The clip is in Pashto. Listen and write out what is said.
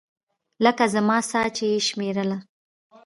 لکه زما ساه چې يې شمېرله.